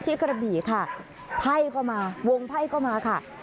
ที่กระบี่ค่ะไพ่เข้ามาวงไพ่เข้ามาค่ะ